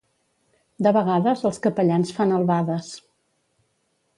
De vegades els capellans fan albades.